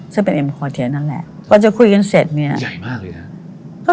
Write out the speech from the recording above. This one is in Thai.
ซึ่งเป็นเอ็มคอเทียนนั่นแหละก่อนจะคุยกันเสร็จเนี่ยใหญ่มากเลยนะ